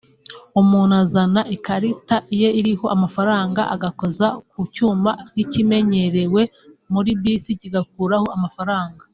umuntu azana ikarita ye iriho amafaranga agakoza ku cyuma nk’ikimenyerewe muri bus kigakuraho amafaranga